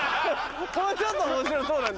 もうちょっと面白そうなんだけど。